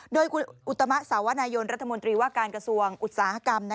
โดยอุตมะสาวนายนรัฐมนตรีว่าการกระทรวงอุตสาหกรรม